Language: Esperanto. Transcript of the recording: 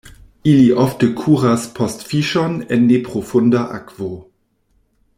Ili ofte kuras post fiŝon en neprofunda akvo.